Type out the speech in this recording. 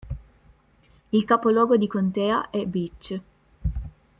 Il capoluogo di contea è Beach.